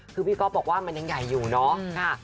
คือพี่ก๊อฟบอกว่ามันยังใหญ่อยู่เนาะ